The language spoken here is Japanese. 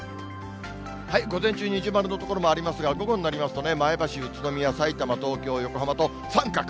午前中、二重丸の所もありますが、午後になりますと、前橋、宇都宮、さいたま、東京、横浜と三角。